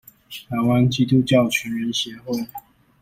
臺灣基督教全人協會